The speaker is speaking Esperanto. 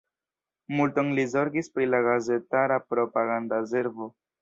Multon li zorgis pri la gazetara propaganda servo.